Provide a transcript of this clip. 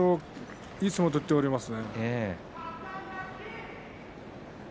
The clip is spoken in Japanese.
いい相撲を取っていますね。